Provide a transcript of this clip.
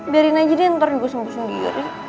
biarin aja deh ntar gue sembuh sendiri